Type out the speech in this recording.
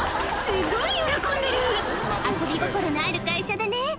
すごい喜んでる遊び心のある会社だね